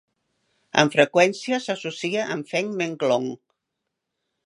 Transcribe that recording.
Amb freqüència s'associa amb Feng Menglong.